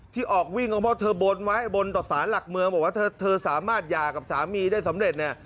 ที่ออกวิ่งของเพราะเธอบนไว้บนต่อสารหลักเมืองบอกว่าเธอสามารถหย่ากับสามีได้สำเร็จเนี่ย